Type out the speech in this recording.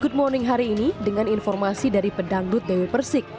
good morning hari ini dengan informasi dari pedangdut dewi persik